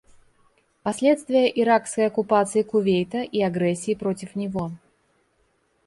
Последствия иракской оккупации Кувейта и агрессии против него.